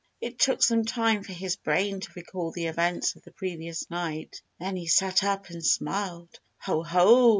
It took some time for his brain to recall the events of the previous night. Then he sat up and smiled. "Ho! Ho!"